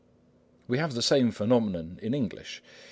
We have the same phenomenon in English.